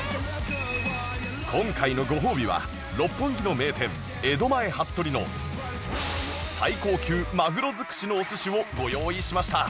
今回のご褒美は六本木の名店江戸前服部の最高級マグロ尽くしのお寿司をご用意しました